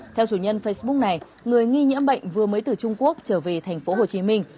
theo chủ nhân facebook này người nghi nhiễm bệnh vừa mới từ trung quốc trở về thành phố hồ chí minh